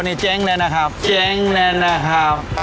นี่เจ๊งเลยนะครับเจ๊งเลยนะครับ